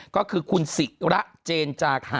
ก็คือคุณศิระเจนจาคะ